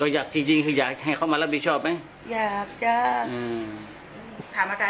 อยากจริงให้เข้ามารับประชาบละ